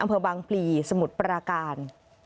อำเภอบางพลีสมุทรปราการ